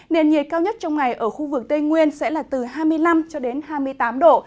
niệt nhiệt cao nhất trong ngày ở khu vực tây nguyên sẽ là từ hai mươi năm hai mươi tám độ